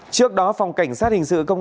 trước đó phòng cảnh sát hình sự công an